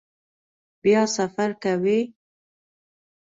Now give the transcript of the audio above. بیا سفر کوئ؟